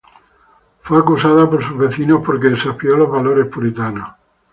Fue acusada por sus vecinos porque desafió los valores puritanos.